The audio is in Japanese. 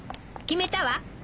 決めたわ。